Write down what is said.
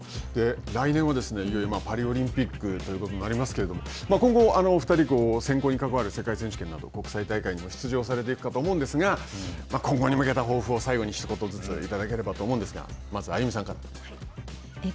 来年はいよいよパリオリンピックということになりますけど、今後、お２人、選考に関わる世界選手権など、国際大会にも出場されていくかと思うんですが、今後に向けた抱負を最後にひと言ずついただけたらいいと思うんですが、まずＡＹＵＭＩさんから。